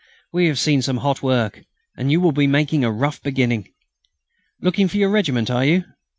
we have seen some hot work, and you will make a rough beginning.... Looking for your regiment, are you?